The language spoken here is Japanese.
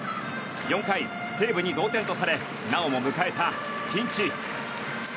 ４回、西武に同点とされなおも迎えたピンチ。